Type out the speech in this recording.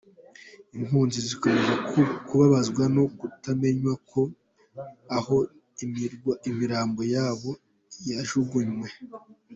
Impunzi zikomeje kubabazwa no kutamenya aho imirambo y’ababo yajugunywe.